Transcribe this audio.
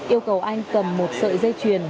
yêu cầu anh cầm một sợi dây chuyền